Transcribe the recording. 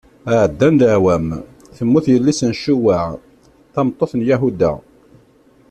Ɛeddan leɛwam, temmut yelli-s n Cuwaɛ, tameṭṭut n Yahuda.